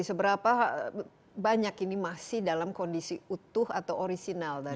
seberapa banyak ini masih dalam kondisi utuh atau orisinal